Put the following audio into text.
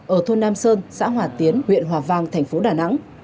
ở thôn nam sơn xã hòa tiến huyện hòa vang thành phố đà nẵng